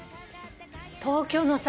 東京のさ